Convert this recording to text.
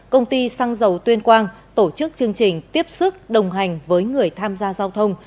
công ty xăng dầu tuyên quang tổ chức chương trình tiếp sức đồng hành với người tham gia giao thông